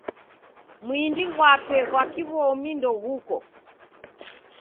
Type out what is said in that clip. Mwindi ghwape ghwa kiw'omi ndoghuko.